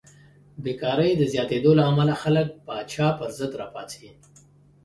بېکارۍ د زیاتېدو له امله خلک پاچا پرضد راپاڅي.